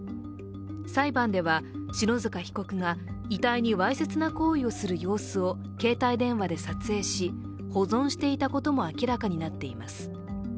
裁判では篠塚被告が遺体にわいせつな行為をする様子を携帯電話で撮影し、保存していたことも明らかになっています。